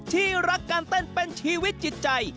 นี่คืองานเต้นเป็นชีวิตจิตใจ